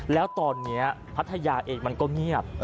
แล้วตอนนี้พัทยาเองมันก็เงียบ